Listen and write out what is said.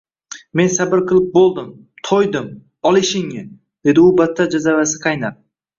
— Men sabr qilib bo‘ldim, to‘ydim, ol ishingni! — dedi u battar jazavasi qaynab.